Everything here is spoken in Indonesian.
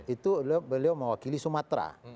itu beliau mewakili sumatera